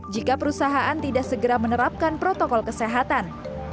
jika perusahaan tidak segera menerapkan protokol kesehatan